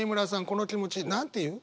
この気持ち何て言う？